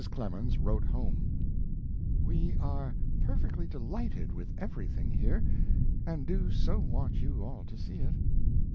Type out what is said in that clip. Clemens wrote home: We are perfectly delighted with everything here and do so want you all to see it.